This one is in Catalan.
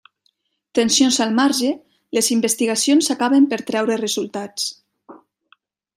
Tensions al marge, les investigacions acaben per treure resultats.